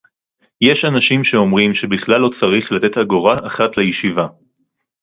יש אנשים שאומרים שבכלל לא צריך לתת אגורה אחת לישיבה